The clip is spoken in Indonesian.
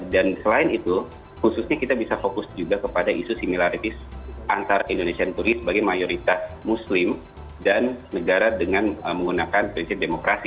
dan selain itu khususnya kita bisa fokus juga kepada isu similaritis antar indonesia dan turkiyaya sebagai mayoritas muslim dan negara dengan menggunakan prinsip demokrasi